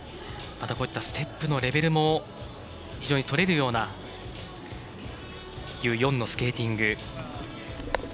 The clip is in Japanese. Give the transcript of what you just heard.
また、ステップのレベルも非常にとれるようなユ・ヨンのスケーティング。